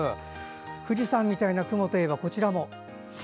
富士山みたいな雲といえばこちらも。